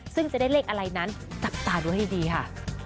ซึ่งจะได้เลขอะไรนั้นจับตาดูให้ดีค่ะ